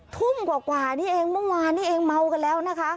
ทุ่มกว่านี่เองเมื่อวานนี้เองเมากันแล้วนะคะ